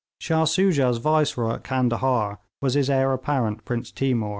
Shah Soojah's viceroy at Candahar was his heir apparent Prince Timour.